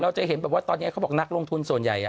จะเห็นแบบว่าตอนนี้เขาบอกนักลงทุนส่วนใหญ่